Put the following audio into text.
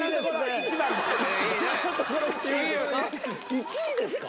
１位ですか？